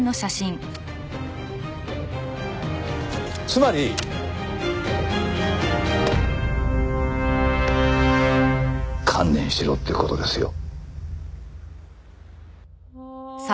つまり。観念しろって事ですよ。